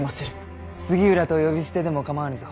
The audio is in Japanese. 杉浦と呼び捨てでも構わぬぞ。